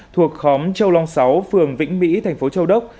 thuộc khóm châu long sáu phường vĩnh mỹ thành phố châu đốc